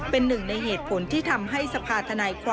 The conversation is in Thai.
เป็นหนึ่งในเหตุผลที่ทำให้สัพพายน์นี้